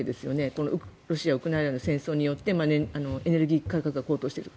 このロシア、ウクライナの戦争によってエネルギー価格が高騰している。